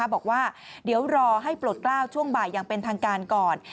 บอกว่าเดี๋ยวรอให้ปลดกล้าวช่วงบ่ายอย่างเป็นทางการก่อน